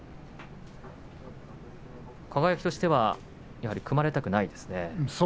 輝としてはやはり組まれたくないですかね。